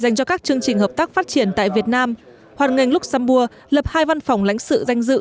dành cho các chương trình hợp tác phát triển tại việt nam hoàn ngành luxembourg lập hai văn phòng lãnh sự danh dự